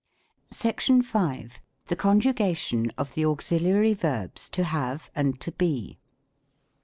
SECTION V. THE CONJUGATION OF THE AUXILIARY VERBS To HaVE AND To Be.